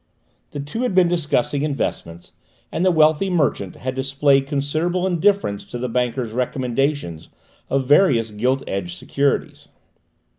The two had been discussing investments, and the wealthy merchant had displayed considerable indifference to the banker's recommendation of various gilt edged securities.